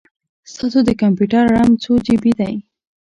ستاسو د کمپیوټر رم څو جې بې دی؟